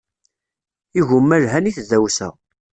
Igumma lhan i tdawsa.